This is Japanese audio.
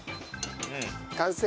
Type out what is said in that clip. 完成！